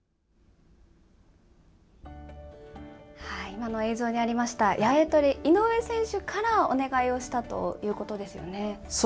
今の映像にありました、八重トレ、井上選手からお願いをしたそうですね。